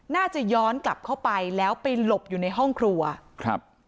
น่าจะย้อนกลับเข้าไปแล้วไปหลบอยู่ในห้องครัวครับ